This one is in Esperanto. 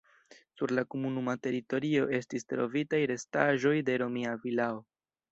Sur la komunuma teritorio estis trovitaj restaĵoj de romia vilao.